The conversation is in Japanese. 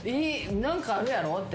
何かあるやろって。